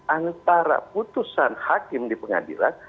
antara putusan hakim di pengadilan